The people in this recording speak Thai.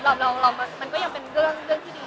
สำหรับเรามันก็เป็นเรื่องดูดี